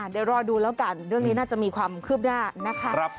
เดี๋ยวรอดูแล้วกันเรื่องนี้น่าจะมีความคืบหน้านะคะ